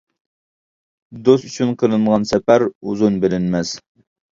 دوست ئۈچۈن قىلىنغان سەپەر ئۇزۇن بىلىنمەس.